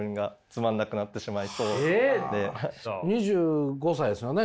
２５歳ですよね？